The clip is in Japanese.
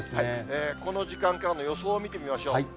この時間からの予想を見てみましょう。